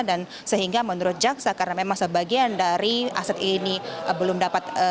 dan sehingga menurut jaksa karena memang sebagian dari aset ini belum dapat